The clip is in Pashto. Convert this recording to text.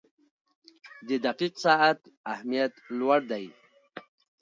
• د دقیق ساعت اهمیت لوړ دی.